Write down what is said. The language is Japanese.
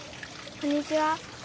こんにちは。